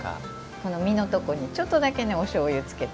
この身のところにちょっとだけおしょうゆ付けて。